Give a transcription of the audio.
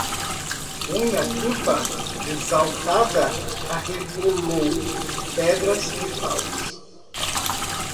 Unha turba exaltada arrebolou pedras e paus.